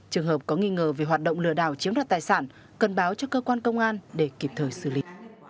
trường hợp có nghi ngờ về hoạt động lừa đảo chiếm đoạt tài sản cần báo cho cơ quan công an để kịp thời xử lý